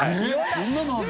こんなのあるんだ。